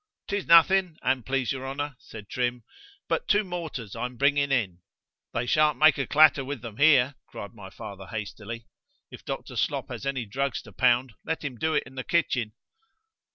——'Tis nothing, an please your honour, said Trim, but two mortars I am bringing in.—They shan't make a clatter with them here, cried my father hastily.—If Dr. Slop has any drugs to pound, let him do it in the kitchen.